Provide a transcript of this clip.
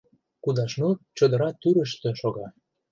Кудашнур чодыра тӱрыштӧ шога.